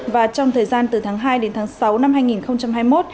và trong thời gian từ tháng hai đến tháng sáu năm hai nghìn hai mươi một